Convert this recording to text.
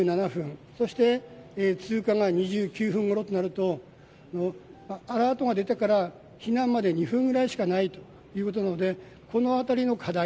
そして通過が２９分ごろとなるとアラートが出たから避難まで２分ぐらいしかないということなのでこのあたりの課題